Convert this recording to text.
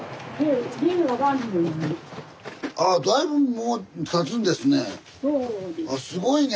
あだいぶもうたつんですね。